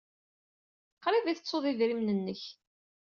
Qrib ay tettud idrimen-nnek.